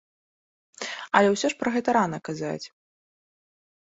Але ўсё ж пра гэта рана казаць.